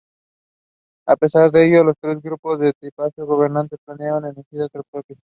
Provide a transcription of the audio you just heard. A pesar de ello, los tres grupos del tripartito gobernante plantearon enmiendas propias.